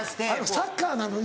サッカーなのに？